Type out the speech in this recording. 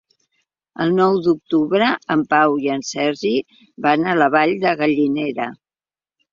El nou d'octubre en Pau i en Sergi van a la Vall de Gallinera.